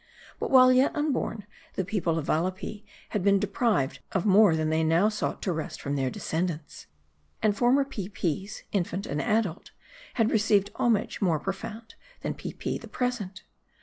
But while yet unborn, the people of Valapee had been deprived of more than they now sought to wrest from their descendants. And former Peepies, infant and adult, had received homage more pro found, than Peepi the Present.